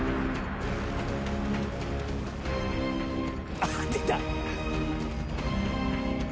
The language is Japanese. あっ出た。